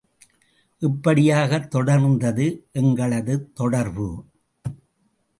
இப்படியாக தொடர்ந்தது எங்களது தொடர்பு.